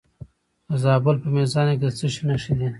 د زابل په میزانه کې د څه شي نښې دي؟